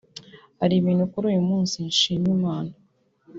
“Hari ibintu kuri uyu munsi nshima Imana